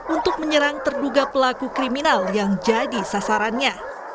untuk menyerang terduga pelaku kriminal yang jadi sasarannya